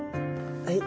はい。